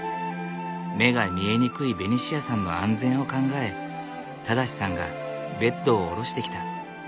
目が見えにくいベニシアさんの安全を考え正さんがベッドを下ろしてきた。